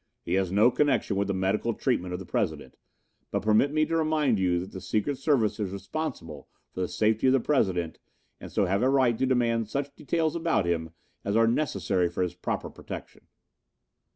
"He has no connection with the medical treatment of the President, but permit me to remind you that the secret service is responsible for the safety of the President and so have a right to demand such details about him as are necessary for his proper protection."